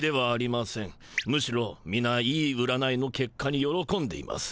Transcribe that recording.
むしろみないい占いのけっかによろこんでいます。